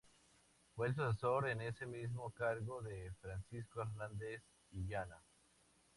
Fue el sucesor en ese mismo cargo de Francisco Hernández Illana.